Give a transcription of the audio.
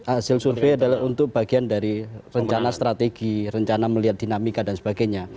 hasil survei adalah untuk bagian dari rencana strategi rencana melihat dinamika dan sebagainya